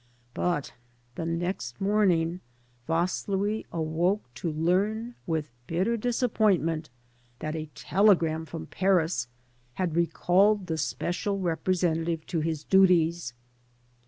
But the next morning Vaslui awoke to learn with bitter disappointment that a telegram from Paris had recalled the special representative to his duties.